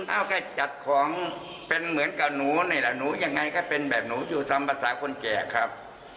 เอ้าก็จัดของเป็นเหมือนกับหนูนี่แหละหนูยังไงก็เป็นแบบหนูอยู่ทำภาษาคนแก่ครับ